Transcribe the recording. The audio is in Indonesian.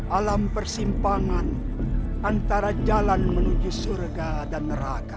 alam persimpangan antara jalan menuju surga dan neraka